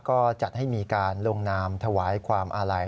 ก็จัดให้มีการลงนามถวายความอาลัย